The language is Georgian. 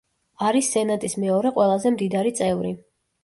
არის სენატის მეორე ყველაზე მდიდარი წევრი.